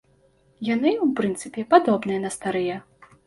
Яны, у прынцыпе, падобныя на старыя.